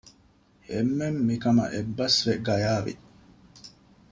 އެންމެން މިކަމަށް އެއްބަސް ވެ ގަޔާވި